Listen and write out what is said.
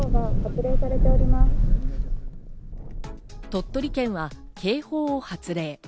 鳥取県は警報を発令。